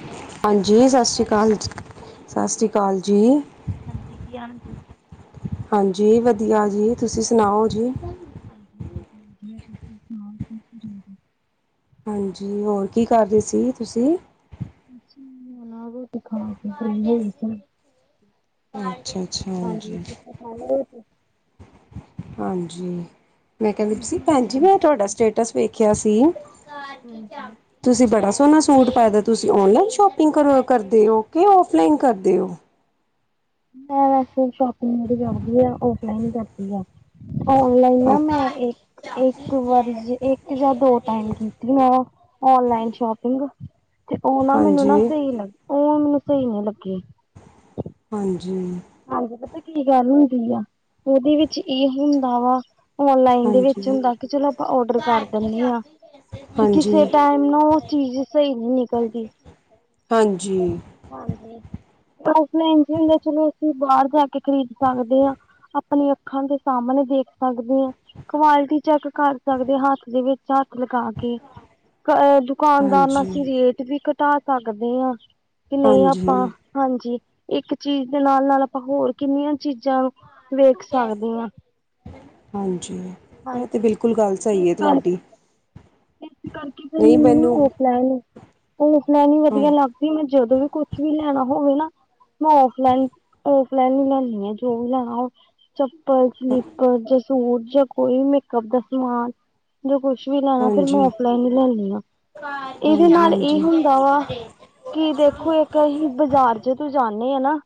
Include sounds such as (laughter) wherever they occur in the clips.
Hello. ਹਾਂਜੀ, ਸਤਿ ਸ਼੍ਰੀ ਸਸਸ਼੍ਰੀ ਅਕਾਲ ਜੀ, ਕਾਲ, ਸਸਸ਼੍ਰੀ ਕਾਲ ਜੀ ਹਾਂਜੀ, ਕੀ ਹਾਲ ਜੀ ਹਾਂਜੀ, ਵਧੀਆਂ ਜੀ, ਤੁਸੀਂ ਸੁਣਾਓ ਜੀ ' (unintelligible) ਹਾਂਜੀ, ਹੋਰ ਕੀ ਕਰ ਰਹੇ ਸੀ ਤੁਸੀਂ? ' (unintelligible) ' (unintelligible) ਅੱਛਾ ਅੱਛਾ ਹਾਂਜੀ ਹਾਂਜੀ, ਮੈਂ ਕਹਿੰਦੀ ਕੀ ਪਈ ਸੀ, ਭੈਣ ਬਣਾਇਆ ਜੀ, ਸੀ? ਤੁਹਾਡਾ ਸਟੇਟਸ ਵੇਖਿਆਂ ਸੀ ਹਾਂਜੀ ਤੁਸੀਂ ਬੜਾ ਸੋਹਣਾ ਸੂਟ ਪਾਇਆ ਦਾ ਤੁਸੀਂ ਔਨਲਾਈਨ ਸ਼ੋਪਿੰਗ ਕਰ ਕਰਦੇ ਓ ਕਿ ਔਫਲਾਈਨ ਕਰਦੇ ਓ ਮੈਂ ਵੈਸੇ ਸ਼ੋਪਿੰਗ ਜਿਹੜੀ ਕਰਦੀ ਆ ਔਫਲਾਈਨ ਹੀ ਕਰਦੀ ਆ। ਔਨਲਾਈਨ ਨਾ ਮੈਂ ਇ ਇੱਕ ਵਾਰੀ ਦੇ ਇੱਕ ਜਾਂ ਦੋ ਟਾਇਮ ਕੀਤੀ ਮੈਂ ਔਨਲਾਈਨ ਸ਼ੋਪਿੰਗ ਤੇ ਉਹ ਨਾ ਮੈਂਨੂੰ ਹਾਂਜੀ ਨਾ ਸਹੀ ਲੱਗੀ ਮੈਂਨੂੰ ਸਹੀ ਨ੍ਹੀਂ ਲੱਗੀ ਹਾਂਜੀ ਹਾਂਜੀ ਪਤਾ ਕੀ ਗੱਲ ਹੁੰਦੀ ਆ ਉਹਦੇ ਵਿੱਚ ਇਹ ਹੁੰਦਾ ਵਾ ਔਨਲਾਈਨ ਦੇ ਵਿੱਚ ਹਾਂਜੀ ਹੁੰਦਾ ਕਿ ਚਲੋ ਆਪਾਂ ਔਡਰ ਕਰ ਦਿੰਦੇ ਆ ਤੇ ਹਾਂਜੀ, ਕਿਸੇ ਟਾਈਮ ਨੂੰ ਉਹ ਚੀਜ਼ ਸਹੀ ਨ੍ਹੀਂ ਨਿਕਲਦੀ ਹਾਂਜੀ ਹਾਂਜੀ ਔਫ਼ਲਾਈਨ ਚ ਹੁੰਦਾ ਚਲੋ ਬਾਹਰ ਜਾ ਕੇ ਖ਼ਰੀਦ ਸਕਦੇ ਆ ਆਪਣੀ ਅੱਖਾਂ ਦੇ ਸਾਹਮਣੇ ਦੇਖ ਸਕਦੇ ਓ ਕੁਆਲਿਟੀ ਚੈੱਕ ਕਰ ਸਕਦੇ ਹੱਥ ਦੇ ਵਿੱਚ ਝੱਥ ਲਗਾ ਕੇ ਦੁਕਾਨਦਾਰ ਨਾ ਹਾਂਜੀ, ਅਸੀਂ ਰੇਟ ਵੀ ਘਟਾ ਸਕਦੇ ਆ ਕਿ ਨਹੀਂ ਆਪਾਂ ਹਾਂਜੀ। ਹਾਂਜੀ ਇੱਕ ਚੀਜ਼ ਤੇ ਨਾਲ਼- ਨਾਲ਼ ਆਪਾਂ ਹੋਰ ਕਿੰਨੀਆਂ ਚੀਜ਼ਾਂ ਨੂੰ ਵੇਖ ਸਕਦੇ ਆ। ਹਾਂਜੀ ਇਹ ਤੇ ਹਾਂਜੀ ਬਿਲਕੁੱਲ ਗੱਲ ਸਹੀ ਇਸ ਏ ਤੁਹਾਡੀ ਕਰਕੇ ਇਸ ਕਰਕੇ ਫੇ਼ਰ ਮੈਨੂੰ ਨਾ ਔਫ਼ਲਾਈਨ -ਔਫ਼ਲਾਈਨ ਈ ਹਾਂ, ਵਧੀਆਂ ਲੱਗ ਵੀ ਮੈਂ ਜਦੋਂ ਵੀ ਕੁਛ ਵੀ ਲੈਣਾ ਹੋਵੇ ਨਾ ਮੈਂ ਔਫ਼ਲਾਈਨ- ਔਫ਼ਲਾਈਨ ਈ ਲੈੰਣੀ ਆ ਜੋ ਵੀ ਲੈਣਾ ਹੋਵੇ ਚ ਚਾਹੇ ਸਲੀਪਰ ਜਾਂ ਸੂਟ ਜਾਂ ਕੋਈ ਵੀ ਮੇਕਅਪ ਦਾ ਸਮਾਨ ਦੇ ਕੁਛ ਵੀ ਲੈਣਾ ਫੇ਼ਰ ਮੈਂ ਹਾਂਜੀ। ਔਫ਼ਲਾਈਨ ਈ ਲੈਣੀ ਆ। ਇਹਦੇ ਨਾਲ਼ ਇਹ ਹੁੰਦਾ ਵਾ ਕਿ ਦੇਖ ਤੇ ਇੱਕ ਅਸੀਂ ਬਾਜ਼ਾਰ ਚ ਜਦੋਂ ਜਾਂਣੇ ਆ ਨਾ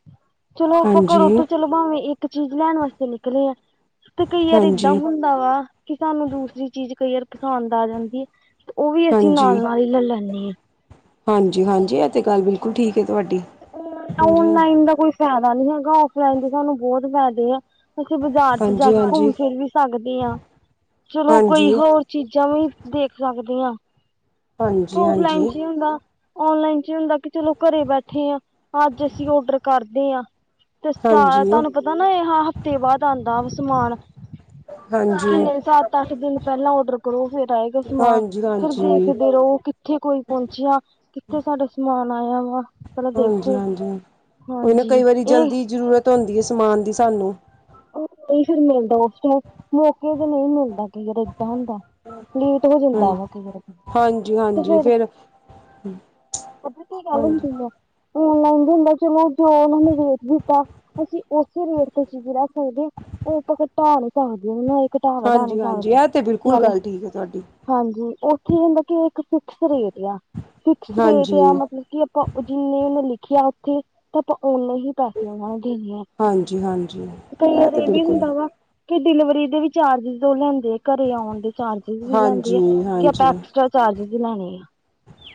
ਚਲੋ ਆਪਾਂ ਹਾਂਜੀ, ਘਰੋਂ ਤਾ ਚਲੋ ਭਾਵੇਂ ਇੱਕ ਚੀਜ਼ ਲੈਣ ਵਾਸਤੇ ਨਿਕਲ਼ੇ ਆ ਤੇ ਕਈ ਆਰ ਹਾਂਜੀ, ਏਦਾਂ ਹੁੰਦਾ ਵਾ ਕਿ ਸਾਨੂੰ ਦੂਸਰੀ ਚੀਜ਼ ਕਈ ਵਾਰ ਪਸੰਦ ਜਾਂਦੀ ਹੈ ਉਹ ਵੀ ਅਸੀਂ ਹਾਂਜੀ। ਨਾਲ਼ -ਨਾਲ਼ ਈ ਲੈ ਲੈਂਣੇ ਆ ਹਾਂਜੀ- ਹਾਂਜੀ ਐ ਹਾਂਜੀ ਹਾਂਜੀ। ਔਨਲਾਈਨ ਦਾ ਕੋਈ ਫਾਇਦਾ ਨੀਂ ਹੈਗਾ ਔਫਲਾਈਨ ਦੇ ਸਾਨੂੰ ਬਹੁਤ ਫਾਇਦੇ ਆ। ਤੁਸੀਂ ਬਾਜ਼ਾਰ'ਚ ਜਾ ਹਾਂਜੀ, ਹਾਂਜੀ, ਕੇ ਘੁੰਮ ਹਾਂਜੀ, ਫਿਰ ਵੀ ਸਕਦੇ ਹਾਂ ਚਲੋ ਕੋਈ ਹਾਂਜੀ, ਹੋਰ ਚੀਜ਼ਾਂ ਵੀ ਦੇਖ ਸਕਦੀ ਹਾਂ, ਕੇ ਔਫਲਾਈਨ ਹਾਂਜੀ, 'ਚ ਹੀ ਹੁੰਦਾ ਔਨਲਾਈਨ'ਚ ਹੁੰਦਾ ਕਿ ਚਲੋ ਘਰੇ ਬੈਠੇ ਆ, ਅੱਜ ਅਸੀਂ ਆਰਡਰ ਕਰਦੇ ਹਾਂ। ਹਾਂਜੀ। ਹਾਂਜੀ। ਤੁਹਾਨੂੰ ਪਤਾ ਨਾਂ ਇਹ ਹਫ਼ਤੇ ਬਾਅਦ ਆਉਂਦਾ ਸਮਾਨ ਚਾਬੀ ਕਿੰਨੇ ਸੱਤ, ਅੱਠ ਦਿਨ ਪਹਿਲਾਂ ਔਡਰ ਕਰੋ ਫਿਰ ਆਏਗਾ ਸਮਾਨ ਹਾਂਜੀ ਫਿਰ ਹਾਂਜੀ ਦੇਖਦੇ ਰਹੋ ਕਿੱਥੇ ਕੋਈ ਪਹੁੰਚਿਆ, ਕਿੱਥੇ ਸਾਡਾ ਸਮਾਨ ਆਇਆ ਵਾ ਪਹਿਲਾਂ ਦੇਖੋ ਹਾਂਜੀ-ਹਾਂਜੀ, ਉਹ ਨਾਂ ਹਾਂਜੀ ਕਈ ਵਾਰੀ ਇਹ ਜਲਦੀ ਜ਼ਰੂਰਤ ਹੁੰਦੀ ਹੈ ਸਮਾਨ ਦੀ ਸਾਨੂੰ ਉਹ ਨਹੀਂ ਫਿਰ ਮਿਲਦਾ ਉਸ ਟਾਈਮ ਮੌਕੇ ਤੇ ਨਹੀਂ ਮਿਲਦਾ ਕਈ ਵਾਰ ਏਦਾਂ ਹੁੰਦਾ। ਲੇਟ ਹੋ ਜਾਂਦਾ ਹਮ ਵਾ ਕਈ ਵਾਰ ਹਾਂਜੀ ਤੇ ਹਾਂਜੀ ਫਿਰ ਪਤਾ ਕੀ ਗੱਲ ਹਾਂਜੀ ਹੁੰਦੀ ਆ। ਔਨਲਾਈਨ ਵੀ ਹੁੰਦਾ ਚਲੋ ਜੋ ਉਹਨਾਂ ਨੇ ਰੇਟ ਦਿੱਤਾ ਅਸੀਂ ਉਸੇ ਰੇਟ ਤੇ ਕੀ ਹੋ ਗੇ ਉਹ ਤਾਂ ਫਿਰ ਘਟਾ ਨਹੀਂ ਸਕਦੇ ਆ ਹਨਾਂ ਏ। ਘਟਾ-ਵਧਾ ਨਹੀਂ ਹਾਂਜੀ ਹਾਂਜੀ ਸਕਦੀ ਇਹ ਤੇ ਬਿਲਕੁਲ ਗੱਲ ਠੀਕ ਹੈ ਤੁਹਾਡੀ ਹਾਂਜੀ, ਉੱਥੇ ਏ ਹੁੰਦਾ ਕਿ ਇਹ ਇੱਕ ਫਿਕਸ ਰੇਟ ਆ ਫਿਕਸ ਰੇਟ ਹਾਂਜੀ ਆ ਮਤਲਬ ਕਿ ਜਿੰਨੇ ਉਹਨੇ ਲਿਖਿਆ ਉੱਥੇ ਤਾਂ ਆਪਾਂ ਓਨੇ ਹੀ ਪੈਸੇ ਉਹਨਾ ਨੂੰ ਦੇਣੇ ਆ। ਹਾਂਜੀ-ਹਾਂਜੀ। ਕਈ ਵਾਰ ਇਹ ਵੀ ਹੁੰਦਾ ਵਾ ਕਿ ਡਿਲੀਵਰੀ ਦੇ ਵੀ ਚਾਰਜਿਸ ਦੋ ਉਹ ਲੈਂਦੇ ਆ। ਘਰੇ ਆਉਣ ਦੇ ਚਾਰਜਿਸ ਵੀ ਲੈਂਦੇ ਆ, ਹਾਂਜੀ ਕਿ ਆਪਾਂ ਹਾਂਜੀ ਐਕਸਟਰਾ ਚਾਰਜਿਸ ਵੀ ਲੈਣੇ ਆ।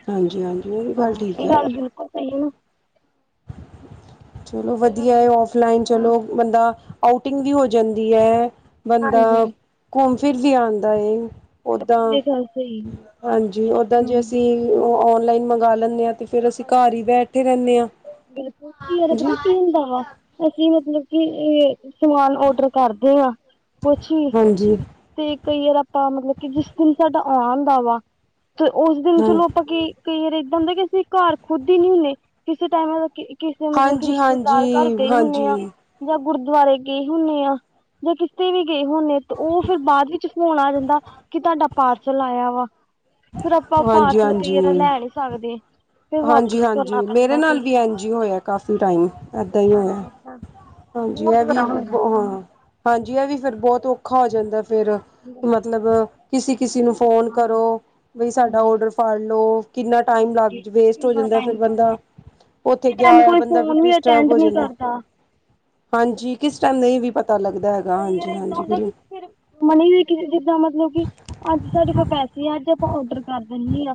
ਹਾਂਜੀ ਹਾਂਜੀ ਉਹ ਵੀ ਗੱਲ ਹਾਂ, ਠੀਕ ਇਹ ਹੈ ਗੱਲ ਬਿਲਕੁਲ ਸਹੀ ਏ ਨਾਂ। ਚਲੋ ਵਧੀਆ ਏ ਔਫਲਾਈਨ ਚਲੋ, ਬੰਦਾ ਆਊਟਿੰਗ ਵੀ ਹੋ ਜਾਂਦੀ ਏ। ਬੰਦਾ ਹਾਂਜੀ ਘੁੰਮ ਫਿਰ ਵੀ ਆਦਾ ਏ। ਓਦਾਂ ਬਿਲਕੁਲ ਇਹ ਗੱਲ ਸਹੀ ਹੈ। ਹਾਂਜੀ ਓਦਾਂ ਜੇ ਹਮ। ਅਸੀਂ ਉਹ ਔਨਲਾਈਨ ਮੰਗਵਾ ਲੈਨੇ ਹਾਂ ਤੇ ਫਿਰ ਅਸੀਂ ਘਰ ਹਾਂਜੀ ਹੀ ਬੈਠੇ ਰਹਿੰਣੇ ਹਾਂ। ਬਿਲਕੁਲ ਕਈ ਵਾਰ ਜੀ ਪਤਾ ਕੀ ਹੁੰਦਾ ਵਾ ਅਸੀਂ ਮਤਲਬ ਕਿ ਇਹ ਸਮਾਨ ਓਡਰ ਕਰਦੇ ਹਾਂ ਕੁਛ ਵੀ। ਹਾਂਜੀ ਤੇ ਕਈ ਵਾਰ ਆਪਾਂ ਮਤਲਬ ਕਿ ਜਿਸ ਦਿਨ ਸਾਡਾ ਆਣਦਾ ਵਾ ਤੇ ਉਸ ਦਿਨ ਹਾਂ ਚਲੋ ਆਪਾਂ ਕੀ ਕਈ ਵਾਰ ਏਦਾਂ ਹੁੰਦਾ ਕਿ ਅਸੀਂ ਘਰ ਖੁੱਦ ਹੀ ਨਹੀਂ ਹੁੰਦੇ। ਕਿਸੇ ਟਾਈਮ ਕੀ ਕਿਸੇ ਮਤਲਬ ਕਿ ਹਾਂਜੀ ਰਿਸ਼ਤੇਦਾਰ ਘਰ ਹਾਂਜੀ ਗਏ ਹੁਣੇ ਆ। ਹਾਂਜੀ ਜਾਂ ਗੁਰਦੁਆਰੇ ਗਏ ਹੁਨੇ ਆ ਜਾਂ ਕਿਤੇ ਵੀ ਗਏ ਹੁੰਨੇ ਤਾਂ ਉਹ ਫਿਰ ਬਾਅਦ ਵਿੱਚ ਫੋਣ ਆ ਜਾਂਦਾ ਕਿ ਤੁਹਾਡਾ ਪਾਰਸਲ ਆਇਆ ਵਾ। ਫਿਰ ਆਪਾਂ ਪਾਰਸਲ ਕਈ ਵਾਰ ਲੈ ਨੀ ਸਕਦੇ। ਫਿਰ ਵਾਪਿਸ ਹਾਂਜੀ-ਹਾਂਜੀ। ਕਰਨਾ ਮੇਰੇ ਪੈਂਦਾ ਨਾਲ ਕਈ ਵੀ ਵਾਰ ਐਂਜ ਹੀ ਹੋਇਆ ਕਾਫੀ ਟਾਈਮ ਏਦਾਂ ਹੀ ਹੋਇਆ। ਹਾਂਜੀ, ਇਹ ਵੀ ਹਾਂ ਹਾਂਜੀ ਇਹ ਵੀ ਫਿਰ ਬਹੁਤ ਔਖਾ ਹੋ ਜਾਂਦਾ ਫਿਰ। ਮਤਲਬ ਕਿਸੀ-ਕਿਸੀ ਨੂੰ ਫੋਨ ਕਰੋ। ਬਾਈ ਸਾਡਾ ਓਡਰ ਫੜ ਲੋ ਕਿੰਨਾਂ ਟਾਈਮ ਲੱਗ ਵੇਸਟ ਹੋ ਜਾਂਦਾ। ਫਿਰ ਬੰਦਾ ਉੱਥੇ ਕਿਸੇ ਗਿਆ ਟਾਈਮ ਹੋਇਆ ਕੋਈ ਬੰਦਾ ਵੀ ਫੋਨ ਡਿਸਟਰਬ ਅਟੈਂਡ ਹੋ ਨਹੀਂ ਜਾਂਦਾ। ਕਰਦਾ। ਹਾਂਜੀ, ਕਿਸ ਟਾਈਮ ਨਹੀਂ ਵੀ ਪਤਾ ਲੱਗਦਾ ਹੈਗਾ ਕਈ ਵਾਰ ਏਦਾਂ ਹਾਂਜੀ-ਹਾਂਜੀ ਹੁੰਦਾ ਬ ਕਿ ਫਿਰ ਮਨੀ ਵੀ ਕੀ ਜਿੱਦਾਂ ਮਤਲਬ ਕਿ ਅੱਜ ਸਾਡੇ ਕੋਲ ਪੈਸੇ ਆ ਅੱਜ ਆਪਾਂ ਓਡਰ ਕਰ ਦੇਣੇ ਆ।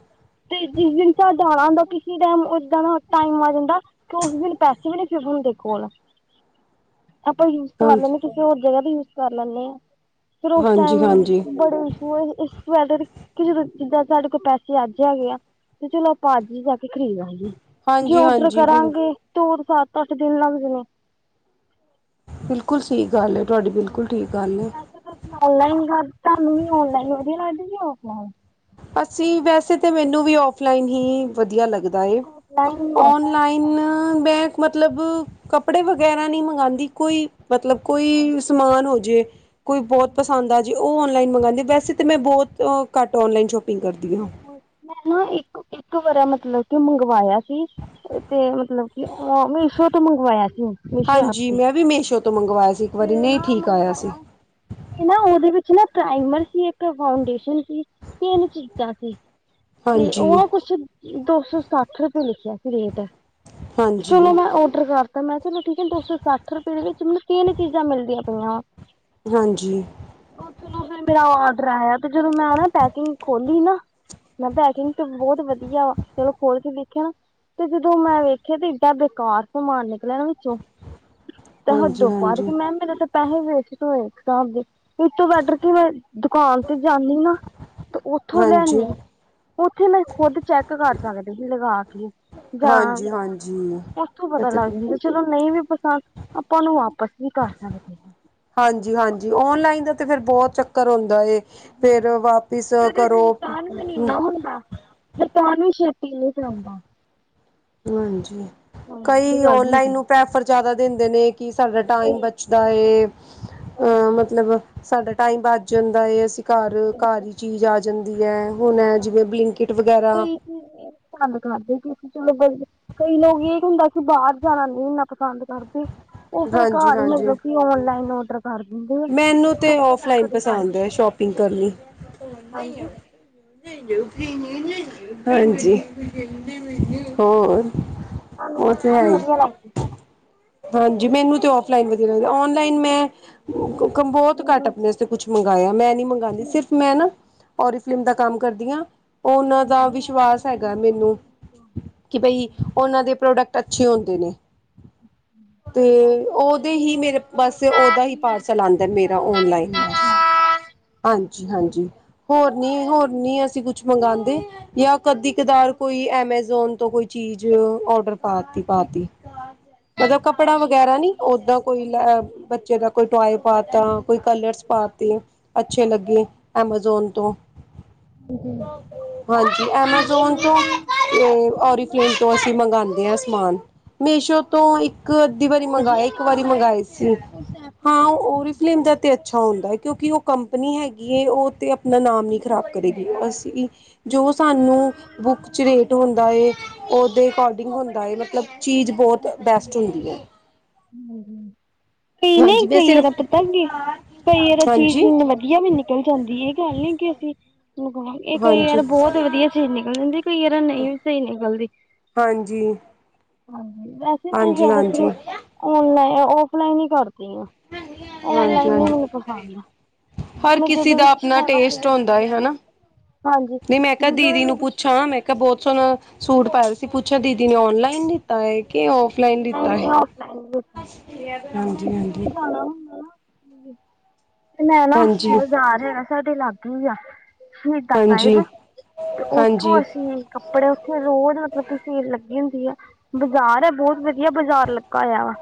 ਤੇ ਜਿਸ ਦਿਨ'ਚ ਜਾਣਾ ਹੁੰਦਾ ਕਿਸੇ ਟਾਈਮ ਏਦਾਂ ਦਾ ਟਾਈਮ ਆ ਜਾਂਦਾ। ਉਸ ਦਿਨ ਪੈਸੇ ਵੀ ਨੀ ਸੀ ਹੁੰਦੇ ਕੋਲ। (inaudible) ਆਪਾਂ ਯੂਜ ਕਰ ਹਾਂਜੀ ਲੈਂਦੇ ਹਾਂ ਕਿਸੇ ਹੋਰ ਜਗ੍ਹਾ ਦਾ ਯੂਜ ਕਰ ਲੈਣੇ ਆ। ਫਿਰ ਉਸ ਹਾਂਜੀ ਟਾਈਮ ਹਾਂਜੀ ਬੜੇ ਹੋਏ ਇਸ ਜਿੱਦਾਂ ਸਾਡੇ ਕੋਲ ਪੈਸੇ ਅੱਜ ਹੈਗੇ ਆ। ਤੇ ਚਲੋ ਆਪਾਂ ਅੱਜ ਹੀ ਜਾ ਕੇ ਖਰੀਦ ਲਾਗੇ। ਜੇ ਹਾਂਜੀ ਔਡਰ ਹਾਂਜੀ ਬਿਲ ਕਰਾਂਗੇ। ਨੂਰ ਸੱਤ-ਅੱਠ ਦਿਨ ਲੱਗ ਜਾਨੇ। ਬਿਲਕੁਲ ਸਹੀ ਗੱਲ ਏ, ਤੁਹਾਡੀ ਬਿਲਕੁਲ ਠੀਕ ਗੱਲ ਏ। ਤੁਸੀ ਔਨਲਾਈਨ ਕਰਹਾਨੂੰ ਔਨਲਾਈਨ ਵਧੀਆ ਲੱਗਦਾ ਕਿ ਔਫਲਾਈਨ। ਅਸੀ ਵੈਸੇ ਤੇ ਮੈਨੂੰ ਵੀ ਔਫ-ਲਾਈਨ ਹੀ। ਵਧੀਆ ਲੱਗਦਾ ਏ। Offline best. ਔਨ-ਲਾਈਨ ਮੈਂ ਮਤਲਬ, ਕੱਪੜੇ ਵਗੈਰਾ ਨਹੀਂ ਮੰਗਣਦੀ ਕੋਈ ਮਤਲਬ ਕੋਈ ਸਮਾਨ ਹੋਜੇ ਕੋਈ ਬਹੁਤ ਪਸੰਦ ਆਜੇ। ਉਹ ਔਨਲਾਈਨ ਮੰਗਵਾਦੀ ਵੈਸੇ ਤਾਂ ਮੈਂ ਬਹੁਤ ਘੱਟ ਔਨਲਾਈਨ ਸ਼ੋਪਿੰਗ ਕਰਦੀ ਹਾਂ। ਮੈਂ ਨਾ ਇੱਕ-ਇੱਕ ਵਰਾ ਮਤਲਬ ਕੇ ਮੰਗਵਾਇਆ ਸੀ। ਇੱਕ ਮਤਲਬ ਕਿ ਔ ਮੀਸੋ ਤੋਂ ਮੰਗਵਾਇਆ ਸੀ ਉਹ। ਹਾਂਜੀ, ਮੈਂ ਵੀ ਮੀਸੋ ਤੋਂ ਮੰਗਵਾਇਆ ਸੀ ਇੱਕ ਵਾਰੀ ਨਹੀਂ ਠੀਕ ਆਇਆ ਸੀ। ਤੇ ਉਹਦੇ ਵਿੱਚ ਨਾ ਕਾਈਮਰ ਸੀ ਇੱਕ ਫਾਊਡੇਸ਼ਨ ਸੀ। ਤਿੰਨ ਚੀਜ਼ਾਂ ਸੀ। ਤੇ ਉਹ ਹਾਂਜੀ ਨਾ ਕੁਛ ਦੋ ਸੌ ਸੱਠ ਰੁਪਏ ਲਿਖਿਆ ਸੀ ਰੇਟ। ਹਾਂਜੀ ਚਲੋ ਮੈਂ ਔਡਰ ਕਰਤਾ ਮੈਂ ਕਿਹਾ ਚਲੋ ਠੀਕ ਏ ਦੋ‌ ਸੌ ਸੱਠ ਰੁਪਏ ਦੇ ਵਿੱਚ ਮੈਨੂੰ ਤਿੰਨ ਚੀਜ਼ਾਂ ਮਿਲਦੀਆਂ ਪਈਆਂ। ਹਾਂਜੀ। ਉਹ ਚਲੋ ਫਿਰ ਮੇਰਾ ਔਰਡਰ ਆਇਆ, ਤੇ ਜਦੋਂ ਮੈਂ ਨਾ ਪੈਕਿੰਗ ਖੋਲੀ। ਤੇ ਨਾ, ਪੈਕਿੰਗ ਤਾਂ ਬਹੁਤ ਵਧੀਆ, ਜਦੋਂ ਖੋਲ ਕੇ ਵੇਖਿਆ ਨਾ। ਤੇ ਜਦੋਂ ਮੈਂ ਵੇਖਿਆ, ਤੇ ਏਡਾ ਬੇਕਾਰ ਸਮਾਨ ਨਿਕਲਿਆ ਨਾ ਵਿੱਚੋਂ, ਤੇ ਹਾਂਜੀ ਹਦੋਂ ਹਾਂਜੀ ਐ ਮੇਰੇ ਤਾਂ ਪੈਸੇ ਹੀ ਵੇਸਟ ਹੋਏ, ਇੱਕ ਹਿਸਾਬ ਦੇ, ਇਸ ਤੋਂ ਬੈਟਰ ਮੈਂ ਦੁਕਾਨ ਤੇ ਜਾਂਦੀ ਨਾ। ਤੇ ਉੱਥੋਂ ਹਾਂਜੀ ਲੈਣੀ, ਉੱਥੇ ਮੈਂ ਖੁਦ ਚੈੱਕ ਕਰ ਸਕਦੀ ਸੀ, ਲਗਾ ਕੇ। ਗਾ, ਹਾਂਜੀ ਹਾਂਜੀ ਉਥੋਂ ਪਤਾ ਅਤੇ ਲੱਗ ਜਾਂਦਾ ਸੀ। ਚਲੋ ਨਹੀਂ ਵੀ ਪਤਾ, ਆਪਾਂ ਉਹਨੂੰ ਵਾਪਿਸ ਵੀ ਕਰ ਸਕਦੇ ਆ। ਹਾਂਜੀ- ਹਾਂਜੀ, ਓਨ-ਲਾਈਨ ਦਾ ਤੇ ਫਿਰ ਬਹੁਤ ਚੱਕਰ ਹੁੰਦਾ ਏ। ਫੇਰ ਵਾਪਿਸ ਕਰੋ। ਮੈਂ ਕਿਹਾ ਵੀ ਛੇਤੀ ਨਹੀਂ ਚੱਲਦਾ। ਹਾਂਜੀ। ਇਹ ਕਈ ਗੱਲ ਔਨ-ਲਾਈਨ ਹੁੰਦੀ ਨੂੰ ਪ੍ਰੈਫਰ ਜਿਆਦਾ ਦਿੰਦੇ ਨੇ, ਕਿ ਸਾਡਾ ਟਾਈਮ ਬਚਦਾ ਹੈ। ਅ ਮਤਲਬ, ਸਾਡਾ ਟਾਈਮ ਬਚ ਜਾਂਦਾ ਏ, ਅਸੀਂ ਘਰ, ਘਰ ਹੀ ਚੀਜ਼ ਆ ਜਾਂਦੀ। ਦੀ ਐ ਹੁਣ ਐ, ਜਿਵੇਂ ਬਲਿੰਕਿਟ ਵਗੈਰਾ ਇਹ ਪਸੰਦ ਕਰਦੇ ਕਿ (unintelligible) ਕਈ ਲੋਕ ਇਹ ਹੁੰਦਾ, ਕਿ ਬਾਹਰ ਜਾਣਾ ਨਹੀਂ ਇੰਨਾ ਪਸੰਦ ਕਰਦੇ। ਉਹ ਫੇਰ ਹਾਂਜੀ ਘਰ, ਹਾਂਜੀ ਮਤਲਬ ਕੀ ਔਨ-ਲਾਈਨ ਔਡਰ ਕਰ ਦਿੰਦੇ। ਆ ਮੈਨੂੰ ਤੇ ਫਿਰ ਔਫ-ਲਾਈਨ ਘਰੇ ਪਸੰਦ ਏ, ਸ਼ੋਪਿੰਗ ਕਰਨੀ। ਹਾਂਜੀ। ਹਾਂਜੀ, (unintelligible) ਹੋਰ? ਸੋਨੂੰ ਉਹ ਓਫ ਤੇ ਹੈ ਲਾਇਨ ਹੀ ਵਧੀਆ ਲੱਗਦੇ। ਹਾਂਜੀ, ਮੈਨੂੰ ਤੇ ਔਫ-ਲਾਈਨ ਵਧੀਆ ਲੱਗਦੀ ਏ, ਔਨ- ਲਾਈਨ ਮੈਂ, ਬਹੁਤ ਘਟ ਆਪਣੇ ਬਾਸਤੇ ਕੁਛ ਮੰਗਵਾਉਦੀ। ਮੰਗਵਾਆ, ਮੈਂ ਨੀ ਮੰਗਾਉਂਦੀ, ਸਿਰਫ ਮੈਂ ਨਾ ਔਰੀਫਲਿਮ ਦਾ ਕੰਮ ਕਰਦੀ ਆ, ਂ ਉਨਾਂ ਦਾ ਵਿਸ਼ਵਾਸ ਹੈਗਾ ਮੈਨੂੰ। ਕਿ ਬਾਈ ਉਹਨਾਂ ਦੇ ਪਰੋਡੈਕਟ ਅੱਛੇ ਹੁੰਦੇ ਨੇ। ਤੇ ਉਹ ਦੇ ਹੀ ਮੇਰੇ ਬਸ ਓਦਾ ਹੀ ਪਾਰਸਲ ਆਦਾ ਮੇਰਾ ਓਨ-ਲਾਈਨ ਦਾ। ਹਾਂਜੀ- ਹਾਂਜੀ, ਹੋਰ ਨਹੀਂ, ਹੋਰ ਨਹੀਂ, ਅਸੀਂ ਕੁਛ ਮੰਗਾਦੇ। ਜਾ ਕਦੀ-ਕਦਾਰ ਕੋਈ, ਐਮਾਜ਼ੋਨ ਤੋਂ ਕੋਈ ਚੀਜ ਆਰਡਰ ਪਾਤੀ- ਪਾਤੀ। ਮਤਲਬ ਕੱਪੜਾ ਵਗੈਰਾ ਨੀ, ਓਦਾਂ ਕੋਈ ਲ ਬੱਚੇ ਦਾ ਕੋਈ ਟੋਏ ਪਾ ਤਾਂ, ਕੋਈ ਕਲਰਸ ਪਾ ਤੇ। ਅੱਛੇ ਲੱਗੇ ਐਮਾਜੌਣ ਤੋਂ। ਹ (inaudible) (unintelligible) ਹਾਂਜੀ, ਐਮਾਜ਼ੋਨ ਤੋਂ, ਤੇ ਓਰੀਫਲੇਨ ਤੋਂ, ਅਸੀਂ ਮੰਗਾਉਂਦੇ ਹਾਂ ਸਮਾਨ। ਮੀਸੋ਼ ਤੋਂ ਇੱਕ- ਅੱਧੀ ਵਾਰੀ ਮੰਗਾਏ, ਇੱਕ ਵਾਰੀ ਮੰਗਾਏ ਸੀ। ਹਾਂ ਓਰੀਫਲੇਮ ਦਾ ਤੇ ਅੱਛਾ ਹੁੰਦਾ, ਕਿਉਂਕਿ ਉਹ ਕੰਪਨੀ ਹੈਗੀ ਉਹ ਤੇ ਆ ਨਾਮ ਨੀ ਖ਼ਰਾਬ ਕਰੇਗੀ ਅਸੀਂ, ਜੋ ਸਾਨੂੰ ਬੁੱਕ 'ਚ ਰੇਟ ਹੁੰਦਾ ਏ ਉਹਦੇ ਅਕੋਡਿੰਗ ਹੁੰਦਾ ਹੈ, ਮਤਲਬ ਚੀਜ਼ ਬਹੁਤ ਬੈਸਟ ਹੁੰਦੀ ਹੈ। ਹੂੰ, ਕੀ ਨਹੀਂ ਹਾਂਜੀ ਮੈਂ ਕੋਈਦਾ ਸਿਰਫ ਪਤਾ ਕਿ ਕਈ ਵੇਰਾ ਚੀਜ਼ ਹਾਂਜੀ ਵਧੀਆ ਵੀ ਨਿਕਲ ਜਾਂਦੀ ਏ, ਇਹ ਗੱਲ ਨੀ ਕਿ ਅਸੀਂ ਇਹ ਕਈ ਵਾਰ ਹਾਂਜੀ। ਬਹੁਤ ਵਧੀਆ ਚੀਜ਼ ਨਿਕਲ ਜਾਂਦੀ, ਕਈ ਵਾਰ ਨਹੀਂ ਵੀ ਸਹੀ ਨਿਕਲਦੀ। ਹਾਂਜੀ। ਹਾਂਜੀ, ਵੈਸੇ ਮੈਂ ਹਾਂਜੀ, ਜ਼ਿਆਦਾਤਰ ਹਾਂਜੀ, ਨਲਾਈਨ, ਔਫਲਾਈਨ ਹੀ ਕਰਦੀ ਹਾਂ। ਹਾਂਜੀ, ਔਨਲਾਈਨ ਨੀ ਹਾਂਜੀ। ਮੈਨੂੰ ਪਸੰਦ। ਹਰ ਮੈਂ ਕਿਸੇ ਜਦੋਂ ਦਾ ਵੀ ਕੁਛ ਆਪਣਾ ਲੈਣਾ ਟੇਸਟ ਹੋਵੇ ਹੁੰਦਾ ਏ ਹਨਾ। ਹਾਂਜੀ ਨਹੀ ਮੈਂ ਕਿਹਾ ਜਦੋਂ ਦੀਦੀ ਵੀ ਮੈਂ ਨੂੰ ਕੁਛ ਪੁੱਛਾਂ ਮੈਂ ਬਹੁਤ ਸੋਣਾ ਸੂਟ ਪਾਇਆ ਸੀ ਪੁੱਛਿਆ ਦੀਦੀ ਨੇ ਔਨਲਾਈਨ ਦਿੱਤਾ ਹੈ ਕਿ ਔਫ- ਨਹੀਂ-ਨਹੀਂ ਔਫਲਾਈਨ ਫਲਾਈ, ਮੈਂ ਹਾਂਜੀ ਹਾਂਜੀ ਵੀ ਜਾਣਾ ਹੁੰਦਾ ਨਾ। ਤੇ ਮੈਂ ਨਾ ਹਾਂਜੀ ਬਾਜ਼ਾਰ ਜਿਹੜਾ ਨਾ ਸਾਡੇ ਲਾਗੇ ਹੀ ਆ। ਸ਼ਹੀਦਾਂ ਸਾਹਿਬ ਤੇ ਉੱਥੋਂ ਹਾਂਜੀ ਅਸੀਂ ਕ ਕੱਪੜੇ ਫਿਰ ਉੱਥੇ ਰੋਜ਼ ਮਤਲਬ ਕਿ ਸੇਲ ਲੱਗੀ ਹੁੰਦੀ ਆ। ਬਜ਼ਾਰ ਏ ਬਹੁਤ ਵਧੀਆ ਬਾਜ਼ਾਰ ਲੱਗਾ ਹੋਇਆ ਵਾ।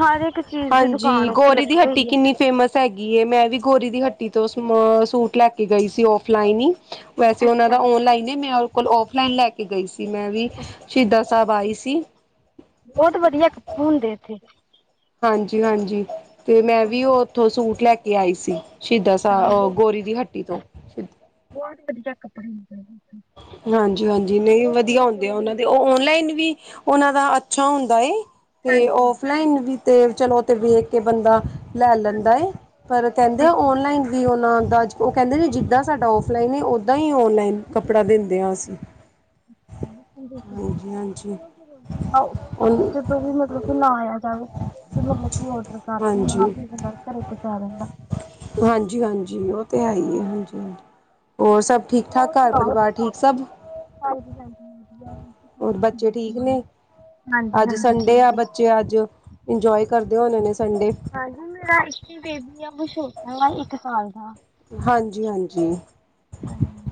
ਹਰ ਇੱਕ ਚੀਜ਼ ਦੀ ਹਾਂਜੀ, ਦੁਕਾਨ ਉੱਥੇ ਗੋਰੀ ਦੀ ਲੱਗੀ ਹੱਟੀ ਹੋਈ ਹੈ ਕਿੰਨੀ ਫੇਮਸ ਹੈਗੀ ਏ। ਮੈਂ ਵੀ ਗੋਰੀ ਦੀ ਹੱਟੀ ਤੋਂ ਸਮਾਅ ਸੂਟ ਲੈ ਕੇ ਗਈ ਸੀ ਔਫਲਾਈਨ ਹੀ। ਵੈਸੇ ਉਹਨਾਂ ਦਾ ਔਨਲਾਈਨ ਏ। ਮੈਂ ਉਹ ਕੋਲ ਔਫਲਾਈਨ ਲੈ ਕੇ ਗਈ ਸੀ ਵੀ ਸ਼ਹੀਦਾ ਸਾਹਿਬ ਆਈ ਸੀ। ਬਹੁਤ ਵਧੀਆ ਕੱਪੂ ਹੁੰਦੇ ਇੱਥੇ। ਹਾਂਜੀ ਹਾਂਜੀ ਤੇ ਮੈਂ ਵੀ ਉਹ ਉੱਥੋਂ ਸੂਟ ਲੈ ਕੇ ਆਈ ਸੀ। ਸ਼ਹੀਦਾਂ ਸਾ ਗੋਰੀ ਦੀ ਹੱਟੀ ਤੋਂ। ਬਹੁਤ ਵਧੀਆ ਕੱਪੜੇ ਹੁੰਦੇ। ਹਾਂਜੀ ਹਾਂਜੀ। ਨਹੀਂ ਵਧੀਆ ਹੁੰਦੇ ਆ ਉਹਨਾਂ ਦੇ ਉਹ ਓਨਲਾਈਨ ਵੀ ਉਹਨਾਂ ਦਾ ਅੱਛਾ ਹੁੰਦਾ ਏ ਤੇ ਫਲਾਈਨ ਵੀ ਤੇ ਚਲੋ ਤੇ ਵੇਖ ਕੇ ਬੰਦਾ ਲੈ ਲੈਂਦਾ ਏ, ਪਰ ਕਹਿੰਦੇ ਆ ਹਾਂਜੀ ਔਨਲਾਈਨ ਵੀ ਉਹਨਾਂ ਦਾ ਉਹ ਕਹਿੰਦੇ ਜੀ ਜਿੱਦਾਂ ਸਾਡਾ ਔਫਲਾਈਨ ਏ, ਉੱਦਾਂ ਹੀ ਔਨਲਾਈਨ। ਕੱਪੜਾ ਦਿੰਦੇ ਹਾਂ ਅਸੀਂ ਹਾਂਜੀ-ਹਾਂਜੀ। ਉਹ ਜਦੋਂ ਵੀ ਮਤਲਬ ਕਿ ਨਾ ਆਇਆ ਜਾਵੇ। ਤੇ ਮਤਲਬ ਔਡਰ ਕਰ ਦਿੰਦਾ, ਬੰਦਾ ਘਰੇ ਪਚਾ ਦਿੰਦਾ। ਹਾਂਜੀ-ਹਾਂਜੀ। ਉਹ ਤੇ ਏ ਹੀ ਏ। ਹਾਂਜੀ ਹਾਂਜੀ-ਹਾਂਜੀ, ਹੋਰ ਸਭ ਹੋਰ ਠੀਕ-ਠਾਕ। ਘਰ ਸੁਣਾਓ ਪਰਿਵਾਰ ਤੁਸੀਂ ਠੀਕ ਸਭ, ਹੋਰ ਬੱਚੇ ਠੀਕ ਨੇ। ਹਾਂਜੀ ਅੱਜ ਹਾਂਜੀ ਸੰਡੇ ਆ ਠੀਕ ਬੱਚੇ ਅੱਜ ਇੰਜੋਏ ਕਰਦੇ ਹੋਣੇ ਨੇ ਸੰਡੇ। ਹਾਂਜੀ, ਮੇਰਾ ਇੱਕੀ ਬੇਬੀ ਆ ਛੋਟ ਵਾ ਇੱਕ ਸਾਲ ਦਾ। ਹਾਂਜੀ ਹਾਂਜੀ, ਹਾਂਜੀ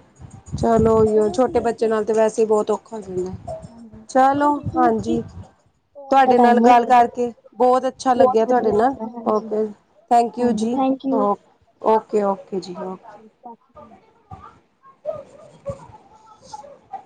ਚਲੋ ਛੋਟੇ ਬੱਚੇ ਨਾਲ ਤੇ ਵੈਸੇ ਬਹੁਤ ਔਖਾ ਹੋ ਜਾਂਦਾ ਚਲੋ, ਹਾਂਜੀ। ਕਾਲ ਦਾ ਤੁਹਾਡੇ ਨਾਲ ਟਾਈਮ ਹੋ ਗੱਲ ਗਿਆ ਜੀ ਕਰਕੇ ਬਹੁਤ ਅੱਛਾ ਲੱਗਿਆ ਤੁਹਾਡੇ ਨਾਲ ਓਕੇ। ਥੈਂਕ ਯੂ ਹਾਂਜੀ ਜੀ ਥੈਂਕ ਯੂ ਓ ਓਕੇ ਓਕੇ ਜੀ ਓਕੇ। ਤ (unintelligible)